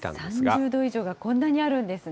３０度以上がこんなにあるんですね。